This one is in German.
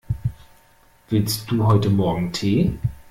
Willst du heute Morgen Tee?